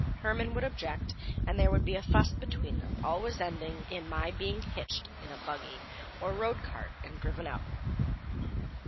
Herman would object, and there would be a fuss between them, always ending in my being hitched in a buggy or road cart and driven out.